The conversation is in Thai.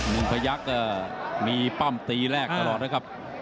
งพยักษ์ก็มีปั้มตีแรกตลอดนะครับ